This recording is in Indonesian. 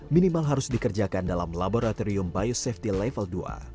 minimal harus dikerjakan dalam laboratorium biosafety level dua